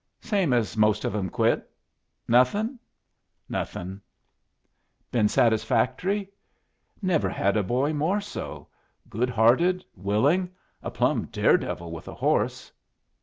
"Same as most of 'em quit." "Nothing?" "Nothing." "Been satisfactory?" "Never had a boy more so. Good hearted, willing, a plumb dare devil with a horse."